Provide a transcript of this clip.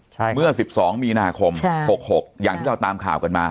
ใช่ครับเมื่อสิบสองมีนาคมใช่หกหกอย่างที่เราตามข่าวกันมา